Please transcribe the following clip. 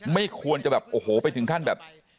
ไม่ควรจะแบบโอ้โหไปถึงขั้นแบบ